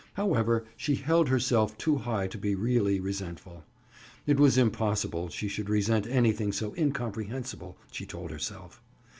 However, she held herself too high to be really resentful. It was impossible she should resent anything so incomprehensible, she told herself.